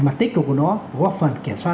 mặt tích cực của nó góp phần kiểm soát